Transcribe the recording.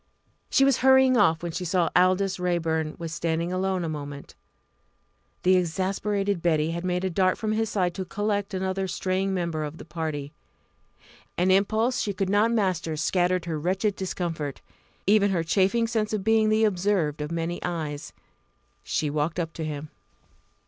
She was hurrying off when she saw Aldous Raeburn was standing alone a moment. The exasperated Betty had made a dart from his side to "collect" another straying member of the party. An impulse she could not master scattered her wretched discomfort even her chafing sense of being the observed of many eyes. She walked up to him.